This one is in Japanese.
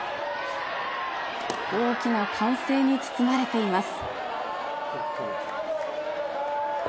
大きな歓声に包まれています。